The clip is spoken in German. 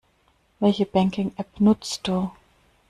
Welche Banking-App nutzt du?